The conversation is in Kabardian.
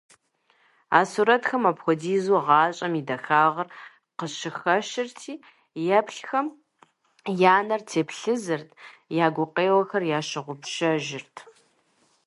А сурэтхэм апхуэдизу гъащӀэм и дахагъэр къыщыхэщырти, еплъхэм я нэр теплъызэрт, я гукъеуэхэр ящыгъупщэжырт.